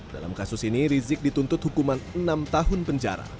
dalam kasus ini rizik dituntut hukuman enam tahun penjara